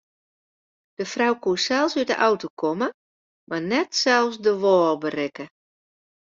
De frou koe sels út de auto komme mar net sels de wâl berikke.